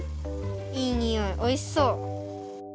いいにおいおいしそう！